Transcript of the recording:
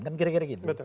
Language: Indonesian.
kan kira kira gitu